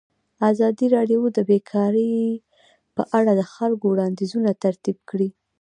ازادي راډیو د بیکاري په اړه د خلکو وړاندیزونه ترتیب کړي.